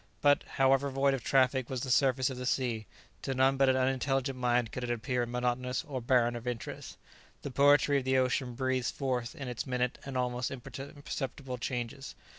But, however void of traffic was the surface of the sea, to none but an unintelligent mind could it appear monotonous or barren of interest. The poetry of the ocean breathes forth in its minute and almost imperceptible changes.